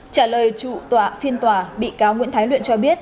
trả lời trụ tòa phiên tòa bị cáo nguyễn thái luyện cho biết